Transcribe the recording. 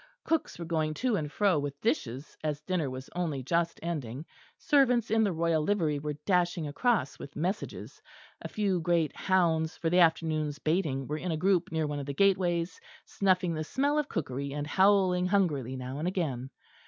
Cooks were going to and fro with dishes, as dinner was only just ending; servants in the royal livery were dashing across with messages; a few great hounds for the afternoon's baiting were in a group near one of the gateways, snuffing the smell of cookery, and howling hungrily now and again.